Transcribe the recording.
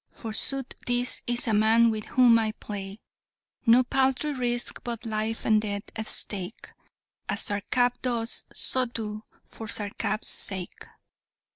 For sooth this is a man with whom I play. No paltry risk but life and death at stake; As Sarkap does, so do, for Sarkap's sake!"